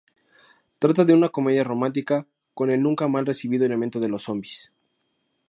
Trata de una comedia romántica con el nunca mal recibido elemento de los zombis.